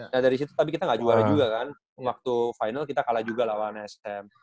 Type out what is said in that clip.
nah dari situ tapi kita gak juara juga kan waktu final kita kalah juga lawan sm